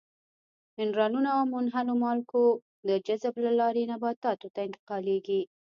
منرالونه او منحلو مالګو د جذب له لارې نباتاتو ته انتقالیږي.